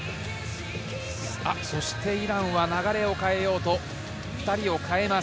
そしてイランは流れを変えようと２人を代えます。